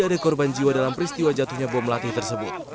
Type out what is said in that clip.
tidak ada korban jiwa dalam peristiwa jatuhnya bom latih tersebut